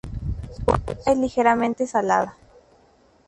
Su agua es ligeramente salada.